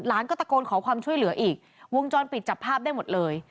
ก็ตะโกนขอความช่วยเหลืออีกวงจรปิดจับภาพได้หมดเลย